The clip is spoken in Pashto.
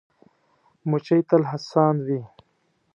مچمچۍ تل هڅاند وي